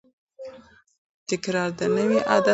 تکرار د نوي عادت مور ده.